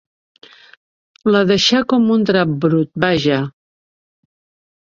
La deixa com un drap brut, vaja.